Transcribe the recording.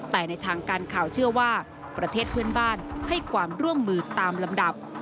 แต่ในทางการข่าวเชื่อว่าประเทศเพื่อนบ้านให้ความร่วมมือตามลำดับ